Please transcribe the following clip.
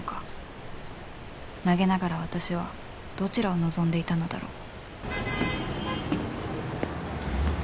投げながら私はどちらを望んでいたのだろう？